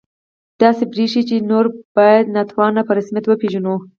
داسې بریښي چې نور باید ناتواني په رسمیت وپېژنو